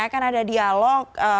akan ada dialog